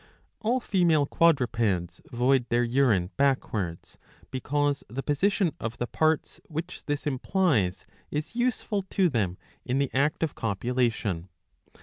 ^* All female quadrupeds void their urine backwards, because the position of the parts which this implies is useful to them in the act of copulation.